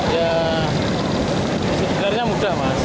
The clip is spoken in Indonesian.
ya sebenarnya mudah mas